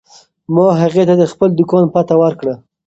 ما هغې ته د خپل دوکان پته ورکړه.